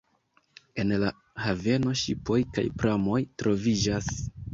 En la haveno ŝipoj kaj pramoj troviĝas.